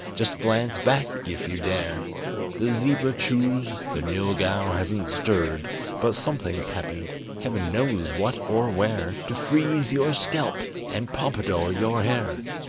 Just glance back, if you dare. The zebra chews, the nylghau hasn't stirred; But something's happened, Heaven knows what or where, To freeze your scalp and pompadour your hair.